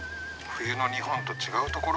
冬の日本と違うところ。